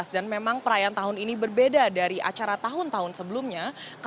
dan memang perayaan tahun ini berbeda dari acara tahun tahun sebelumnya